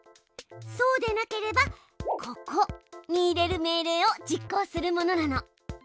そうでなければここに入れる命令を実行するものなの。